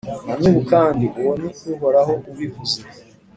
Na n’ubu kandi, uwo ni Uhoraho ubivuze,